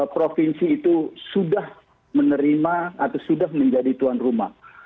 provinsi itu sudah menerima atau sudah menjadi tuan rumah